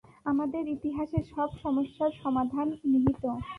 আমাদের ইতিহাসে সব সমস্যার সমাধান নিহিত।